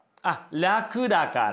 楽だから。